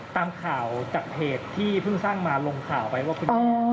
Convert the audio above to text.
ตามข่าวจากเพจที่เพิ่งสร้างมาลงข่าวไปว่าคุณหมอ